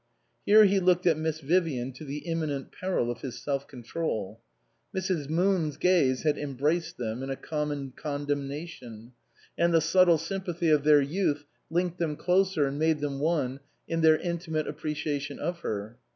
Here he looked at Miss Vivian to the im minent peril of his self control. Mrs. Moon's gaze had embraced them in a common con demnation, and the subtle sympathy of their youth linked them closer and made them one in their intimate appreciation of her.